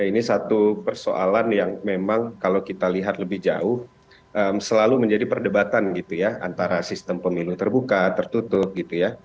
ini satu persoalan yang memang kalau kita lihat lebih jauh selalu menjadi perdebatan gitu ya antara sistem pemilu terbuka tertutup gitu ya